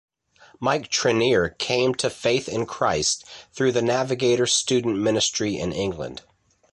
Mike Treneer came to faith in Christ through the Navigator student ministry in England.